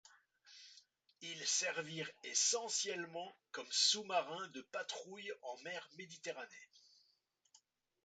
Ils servirent essentiellement comme sous-marins de patrouille en mer méditerranée.